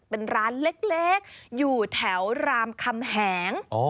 เป็นร้านเล็กอยู่แถวรามคำแหง